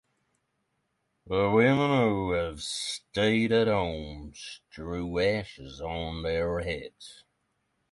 The women who have stayed at home strew ashes on their heads.